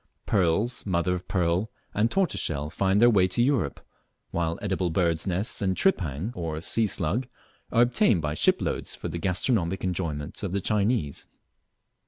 Pearls, mother of pearl, and tortoiseshell find their way to Europe, while edible birds' nests and "tripang" or sea slug are obtained by shiploads for the gastronomic enjoyment of the Chinese.